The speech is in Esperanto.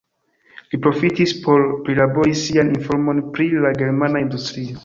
Li profitis por prilabori sian informon pri la germana industrio.